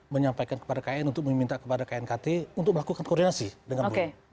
menyampaikan kepada kn untuk meminta kepada knkt untuk melakukan koordinasi dengan beliau